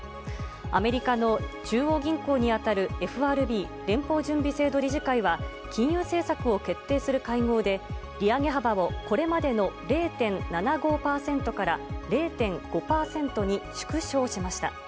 アメリカの中央銀行に当たるＦＲＢ＝連邦準備制度理事会は金融政策を決定する会合で、利上げ幅をこれまでの０．７５％から０．５％に縮小しました。